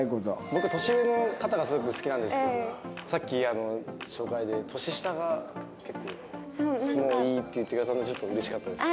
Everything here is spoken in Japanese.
僕年上の方がすごく好きなんですけどさっき紹介で年下が結構いいって言ってくださってちょっとうれしかったです。